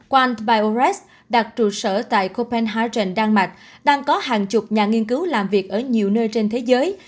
quang biores đặt trụ sở tại copenhagen đan mạc đang có hàng chục nhà nghiên cứu làm việc ở nhiều nơi trên thế giới